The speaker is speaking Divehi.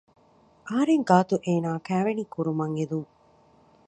އަހަރެންގާތު އޭނާއާ ކައިވެނި ކުރުމަށް އެދުން